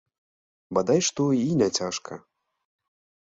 Бадай што, і не цяжка.